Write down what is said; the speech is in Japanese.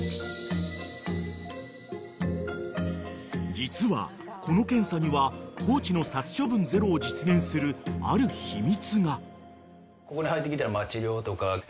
［実はこの検査には高知の殺処分ゼロを実現するある秘密が］